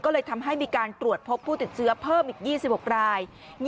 ก็เลยทำให้มีการตรวจพบผู้ติดเชื้อเพิ่มอีก๒๖ราย